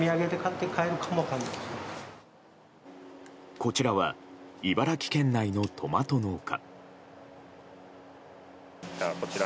こちらは茨城県内のトマト農家。